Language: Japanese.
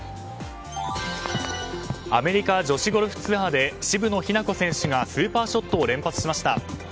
アメリカ女子ゴルフツアーで渋野日向子選手がスーパーショットを連発しました。